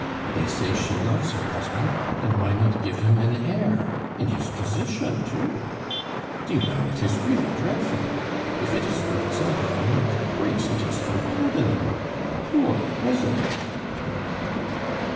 They say she loves her husband; then why not give him an heir? in his position, too!" "Do you know, it is really dreadful! If it is the result of mere caprice, it is unpardonable. Poor president!"